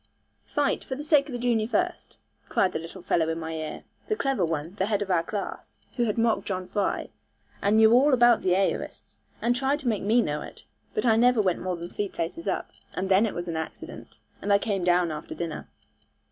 'Fight, for the sake of the junior first,' cried the little fellow in my ear, the clever one, the head of our class, who had mocked John Fry, and knew all about the aorists, and tried to make me know it; but I never went more than three places up, and then it was an accident, and I came down after dinner.